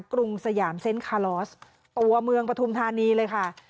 กรุงสยามเซ็นต์คาลอสตัวเมืองปฐุมธานีเลยค่ะ